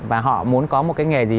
và họ muốn có một cái nghề gì